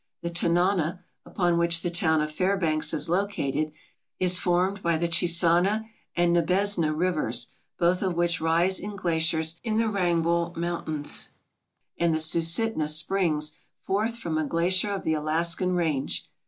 The Tanana, upon which the town of Fairbanks is located, is formed by the Chisana and Nabesna rivers, both of which rise in glaciers in the Wrangell Mountains, and the Susitna springs forth from a glacier of the Alaskan range.